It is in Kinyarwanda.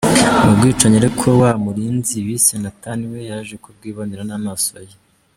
Ubu bwicanyi ariko wa murinzi bise Nathan we yaje kubwibonera n’amaso ye.